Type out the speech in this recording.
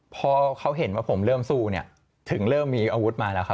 พอเขาเห็นว่าผมเริ่มสู้เนี่ยถึงเริ่มมีอาวุธมาแล้วครับ